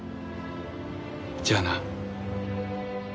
じゃあな。